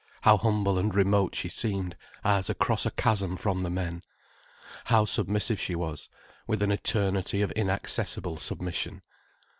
How humble and remote she seemed, as across a chasm from the men. How submissive she was, with an eternity of inaccessible submission.